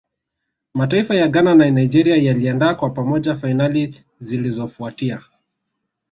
mataifa ya Ghana na Nigeria yaliandaa kwa pamoja fainali zilizofuatia